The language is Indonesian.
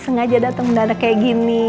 sengaja dateng kemana kayak gini